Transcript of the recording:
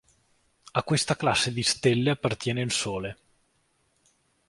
A questa classe di stelle appartiene il Sole.